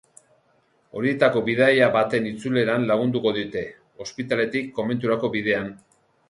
Horietako bidaia baten itzuleran lagunduko diote, ospitaletik komenturako bidean.